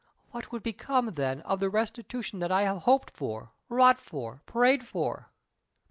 What would become, then, of the restitution that I have hoped for, wrought for, prayed for?"